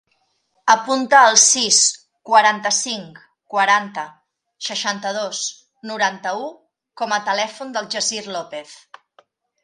Apunta el sis, quaranta-cinc, quaranta, seixanta-dos, noranta-u com a telèfon del Yassir Lopez.